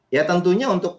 ya tentunya untuk